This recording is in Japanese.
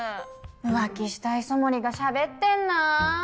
浮気した磯森がしゃべってんな。